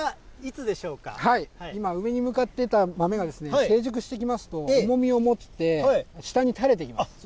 今、上に向かっていた豆が成熟してきますと、重みを持って、下にたれていきます。